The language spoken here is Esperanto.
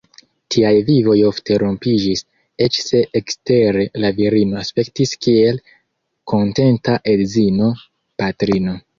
Tiaj vivoj ofte rompiĝis, eĉ se ekstere la virino aspektis kiel kontenta edzino, patrino.